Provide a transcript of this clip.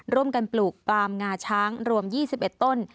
ร่วมกันปลูกปลามงาช้างรวม๒๑ต้น